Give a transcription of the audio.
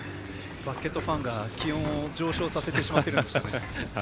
バスケットファンが気温を上昇させてしまっています。